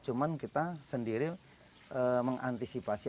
cuma kita sendiri mengantisipasi